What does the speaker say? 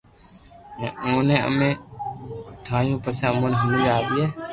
ھين اوني امي ٺايو پسو اموني ھمج ۾ اوئي